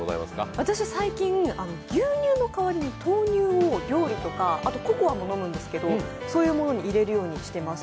私は最近、牛乳の代わりに豆乳を料理とか、ココアも飲むんですけどそういうものに入れるようにしています。